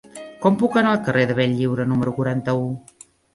Com puc anar al carrer de Benlliure número quaranta-u?